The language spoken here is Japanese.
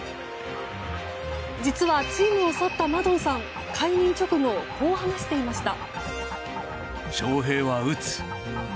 実はチームを去ったマドンさん解任直後、こう話していました。